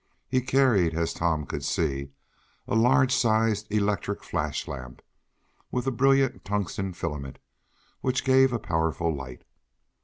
He carried, as Tom could see, a large sized electric flash lamp, with a brilliant tungsten filament, which gave a powerful light.